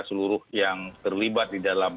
seluruh yang terlibat di dalam